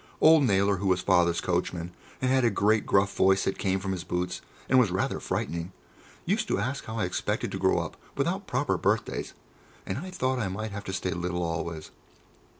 Old Naylor, who was Father's coachman, and had a great gruff voice that came from his boots and was rather frightening, used to ask how I expected to grow up without proper birthdays, and I thought I might have to stay little always.